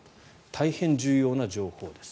大変重要な情報です。